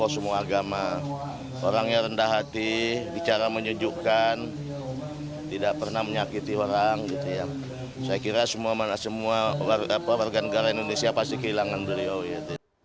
semoga allah ta'ala dalam keadaan sebaik baiknya